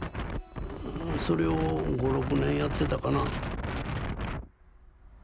それを５６年やってたかな。